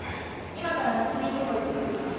今から夏美んとこ行ってくるから。